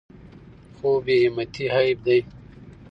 خو بې همتي عیب دی.